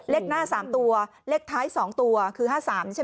เลขหน้า๓ตัวเลขท้าย๒ตัวคือ๕๓ใช่ไหม